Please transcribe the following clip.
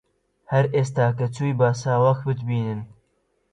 هەر ئێستا کە چووی با ساواک بتبینن